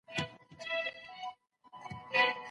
مهرباني وکړه او د کور اصلي دروازه کلکه بنده کړه.